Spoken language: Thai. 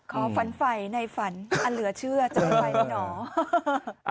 ขอฝันไฟในฝันอ่ะเหลือเชื่อจะไม่ไปด้วยเนอะ